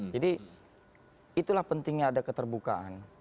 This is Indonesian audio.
jadi itulah pentingnya ada keterbukaan